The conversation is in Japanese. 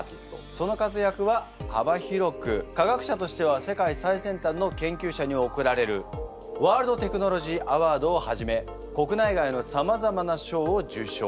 その活躍は幅広く科学者としては世界最先端の研究者におくられるワールド・テクノロジー・アワードをはじめ国内外のさまざまな賞を受賞。